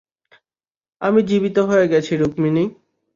আমি জীবিত হয়ে গেছি, রুকমিনি।